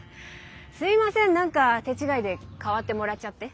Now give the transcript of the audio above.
すいません何か手違いで代わってもらっちゃって。